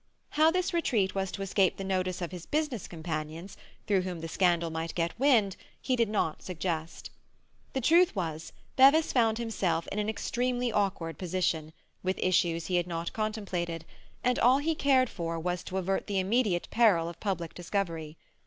How this retreat was to escape the notice of his business companions, through whom the scandal might get wind, he did not suggest. The truth was, Bevis found himself in an extremely awkward position, with issues he had not contemplated, and all he cared for was to avert the immediate peril of public discovery.